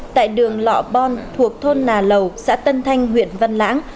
tại đường lọ bon thuộc thôn nà lầu xã tân thanh huyện văn lãng